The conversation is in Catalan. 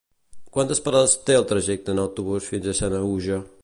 Quantes parades té el trajecte en autobús fins a Sanaüja?